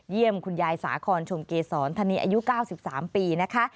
เยี่ยมคุณยายสาขอนชมเกษรธรรณีอายุ๙๓ปีนะคะ